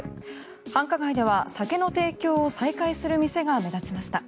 繁華街では酒の提供を再開する店が目立ちました。